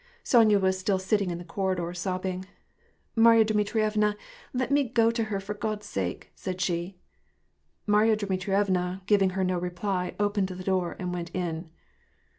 Sonya was still sitting in the corridor sobbing. ''Marya Dmitrievna, let me go to her for (rod's sake," said she. Marya Dmitrievna, giving her no reply, 0|>ened the door, and went in.